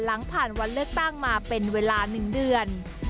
หลังผ่านวันเลือกตั้งมาเป็นเวลา๑เดือน